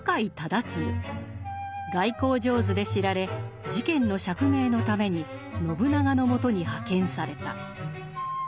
外交上手で知られ事件の釈明のために信長の元に派遣された。